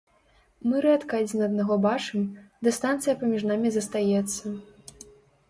Мы рэдка адзін аднаго бачым, дыстанцыя паміж намі застаецца.